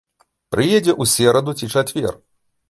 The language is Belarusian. Прыедзе ў сераду ці чацвер.